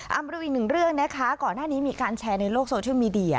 เอามาดูอีกหนึ่งเรื่องนะคะก่อนหน้านี้มีการแชร์ในโลกโซเชียลมีเดีย